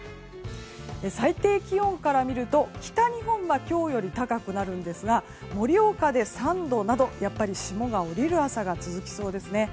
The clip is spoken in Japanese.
最低気温から見ると、北日本は今日より高くなるんですが盛岡で３度などやっぱり霜が降りる朝が続きそうですね。